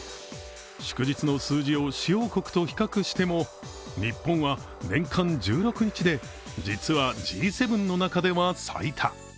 祝日の数字を主要国と比較しても日本は年間１６日で実はＧ７の中では最多。